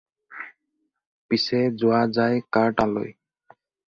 পিচে যোৱা যায় কাৰ তালৈ?